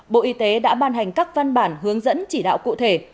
bộ y tế đã ban hành các văn bản hướng dẫn chỉ đạo cụ thể